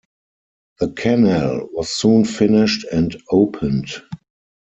The Canal was soon finished and opened.